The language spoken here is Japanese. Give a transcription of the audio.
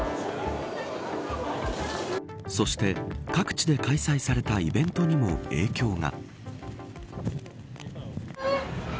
そして、各地で開催されたイベントにも影響が。